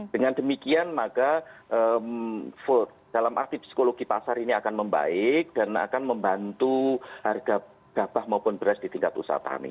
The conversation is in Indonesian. dengan demikian maka dalam arti psikologi pasar ini akan membaik dan akan membantu harga gabah maupun beras di tingkat usaha tani